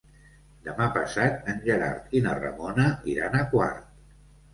Demà passat en Gerard i na Ramona iran a Quart.